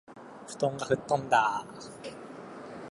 布団が吹っ飛んだあ